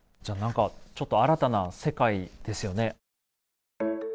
じゃなんかちょっと新たな世界ですよね？